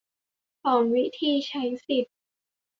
สอนวิธีใช้สิทธิ